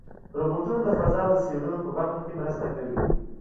روبوټونه د فضا د څېړنو په برخه کې مرسته کوي.